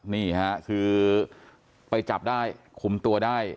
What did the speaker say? นี่ค่ะคือไปจับได้คุมตัวได้